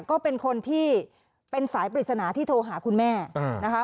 ก็เป็นคนที่เป็นสายปริศนาที่โทรหาคุณแม่นะคะ